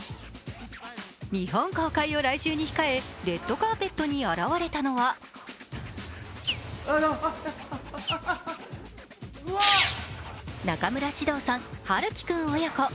日本公開を来週に控えレッドカーペットに現れたのは中村獅童さん、陽喜君親子。